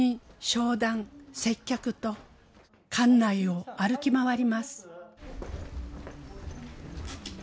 商談接客と館内を歩き回ります。